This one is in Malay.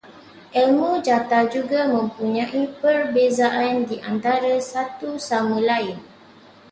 Ilmu jata juga mempunyai perbezaan di antara satu sama lain